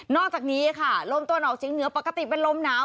อกจากนี้ค่ะลมตัวออกเชียงเหนือปกติเป็นลมหนาว